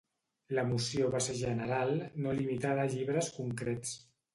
La moció va ser general, no limitada a llibres concrets.